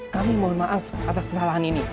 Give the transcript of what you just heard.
kami mohon maaf atas kesalahan ini